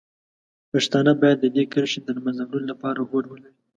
پښتانه باید د دې کرښې د له منځه وړلو لپاره هوډ ولري.